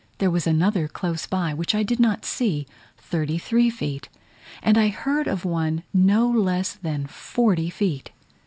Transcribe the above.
There was another close by, which I did not see, thirty three feet; and I heard of one no less than forty feet.